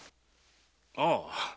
ああ！